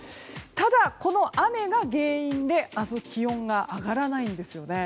ただ、この雨が原因で明日気温が上がらないんですね。